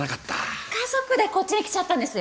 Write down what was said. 家族でこっちに来ちゃったんですよ。